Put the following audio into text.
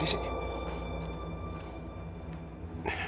ngapain kamu sih nona